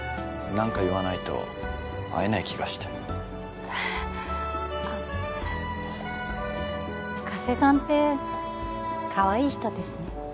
何か言わないと会えない気がしてあ加瀬さんってかわいい人ですね